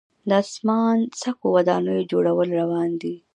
د اسمان څکو ودانیو جوړول روان دي.